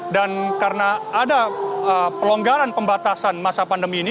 dan karena ada pelonggaran pembatasan masa pandemi ini